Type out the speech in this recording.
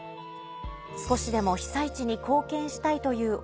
「少しでも被災地に貢献したい」という思い。